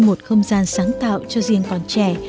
một không gian sáng tạo cho riêng con trẻ